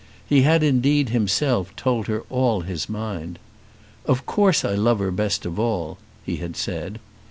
He had indeed himself told her all his mind. "Of course I love her best of all," he had said.